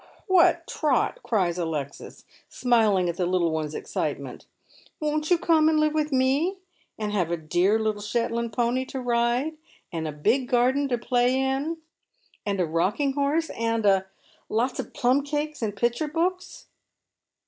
" What, Trot," cries Alexis, smiling at the little one's excite ment, " won't you come and live with me, and have a dear little Shetland pony to ride, and a big garden to play in, and a rock ing horse, — and a — lots of plum cakes and picture books?"